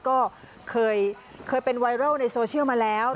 ก็เคยเป็นไวรัลในโซเชียลมาแล้ว